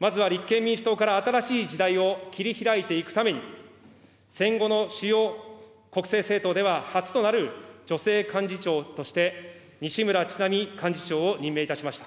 まずは立憲民主党から新しい時代を切りひらいていくための、戦後の主要国政政党では初となる女性幹事長として、西村智奈美幹事長を任命いたしました。